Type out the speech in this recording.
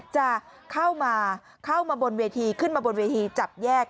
จะเข้ามาเข้ามาบนเวทีขึ้นมาบนเวทีจับแยก